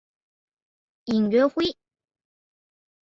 亲水公园也常配合关西镇的艺术节举办市集或是音乐会。